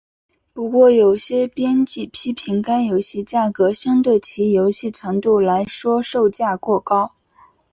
不过有些编辑批评该游戏价格相对于其游戏长度来说售价过高。